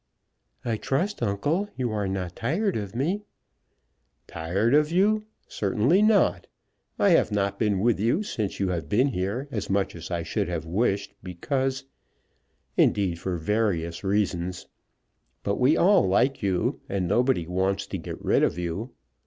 "I trust, uncle, you are not tired of me." "Tired of you! Certainly not. I have not been with you since you have been here as much as I should have wished because, indeed for various reasons. But we all like you, and nobody wants to get rid of you.